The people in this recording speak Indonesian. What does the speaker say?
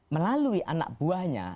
melalui anak buahnya